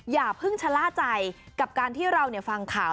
อย่าเพิ่งชะล่าใจกับการที่เราฟังข่าว